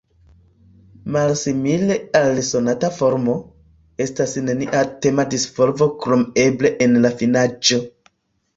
Malsimile al sonata formo, estas nenia tema disvolvo krom eble en la finaĵo.